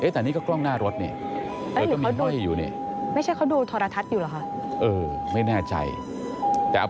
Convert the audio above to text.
แต่นี่ก็กล้องหน้ารถ